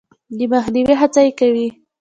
د مخنیوي هڅه یې کوي.